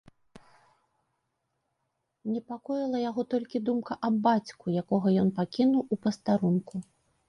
Непакоіла яго толькі думка аб бацьку, якога ён пакінуў у пастарунку.